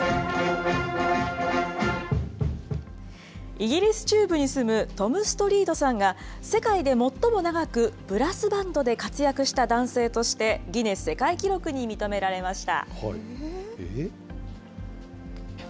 イギリス中部に住むトム・ストリートさんが、世界で最も長くブラスバンドで活躍した男性として、ギネス世界記録に認められました。